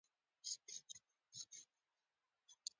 که د بن نیمچه پروسه عملي هم شوله